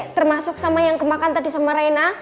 termasuk sama yang dimakan tadi sama rena ya